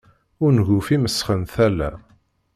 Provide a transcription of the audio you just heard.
Unguf imesxen tala.